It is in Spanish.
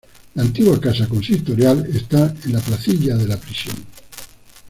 La antigua casa consistorial está en la placilla de la prisión.